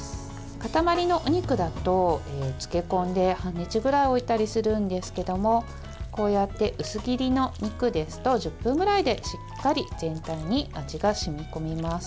塊のお肉だと漬け込んで半日ぐらい置いたりするんですけどもこうやって薄切りの肉ですと１０分ぐらいでしっかり全体に味が染み込みます。